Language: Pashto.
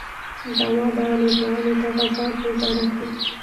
دوا به امريکايانو ته غذا کې ګډه کو.